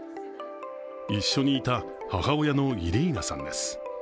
一緒にいた母親のイリーナさんです。